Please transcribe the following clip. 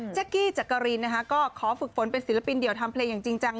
กี้จักรินนะคะก็ขอฝึกฝนเป็นศิลปินเดี่ยวทำเพลงอย่างจริงจัง